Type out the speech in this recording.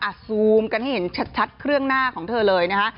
ซูมกันให้เห็นชัดเครื่องหน้าของเธอเลยนะคะ